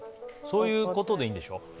そういうことでいいんでしょ？